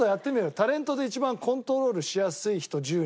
タレントで一番コントロールしやすい人１０人。